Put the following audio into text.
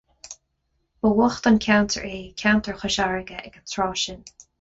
Ba bhocht an ceantar é ceantar Chois Fharraige ag an tráth sin.